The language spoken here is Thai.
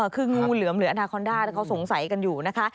คืองูเหลือมหรืออนาคอนด้าเขาสงสัยกันอยู่นะคะ